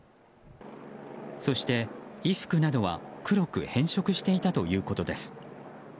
そして、衣服などは黒く変色していたということです。